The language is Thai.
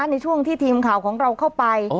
ในช่วงที่ทีมข่าวของเราเข้าไป